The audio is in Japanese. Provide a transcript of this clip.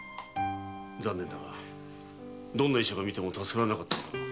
残念だがどんな医者が診ても助からなかっただろう。